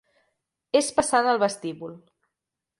És passant el vestíbul.